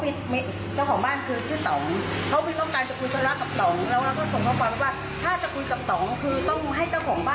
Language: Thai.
พี่ตายนี้อุ่นครับ